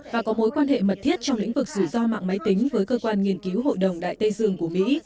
và có mối quan hệ mật thiết trong lĩnh vực rủi ro mạng máy tính với cơ quan nghiên cứu hội đồng đại tây dương của mỹ